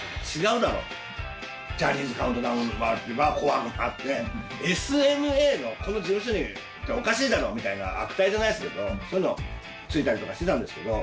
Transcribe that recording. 「ジャニーズカウントダウン」もあれば『紅白』もあってＳＭＡのこの事務所におかしいだろみたいな悪態じゃないですけどそういうのをついたりとかしてたんですけど。